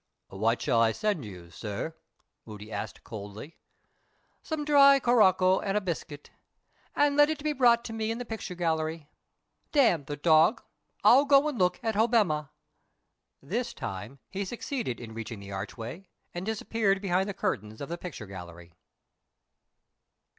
"What shall I send you, sir?" Moody asked coldly. "Some dry curacoa and a biscuit. And let it be brought to me in the picture gallery. Damn the dog! I'll go and look at Hobbema." This time he succeeded in reaching the archway, and disappeared behind the curtains of the picture gallery.